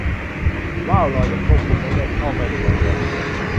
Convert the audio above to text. ว่าวลอยอย่างควบคุมไม่ได้เข้าไปในลมบน